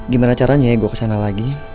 gimana caranya gue kesana lagi